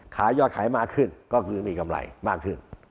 ยอดขายมากขึ้นก็คือมีกำไรมากขึ้น